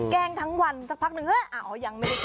แกล้งทั้งวันสักพักหนึ่งเฮ้ยยังไม่ได้แก